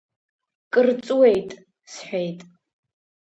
Кыр ҵуеит, — сҳәеит.